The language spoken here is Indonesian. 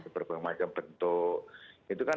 berbagai macam bentuk itu kan